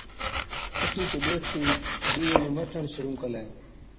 اُٺِيچ ٻيستِي ڏِيوي نُون مهٽڻ شرُوع ڪلَي۔